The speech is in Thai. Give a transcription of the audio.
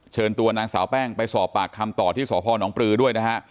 เชิญตัวนางสาวแป้งไปสอบปากคำต่อที่สพนปลือด้วยนะฮะ